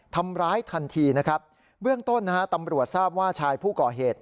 ทำร้ายทันทีนะครับเบื้องต้นนะฮะตำรวจทราบว่าชายผู้ก่อเหตุ